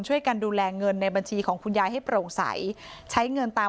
ช่วยกันดูแลเงินในบัญชีของคุณยายให้โปร่งใสใช้เงินตาม